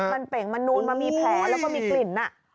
มันเป่งมันนูนมันมีแผลแล้วก็มีกลิ่น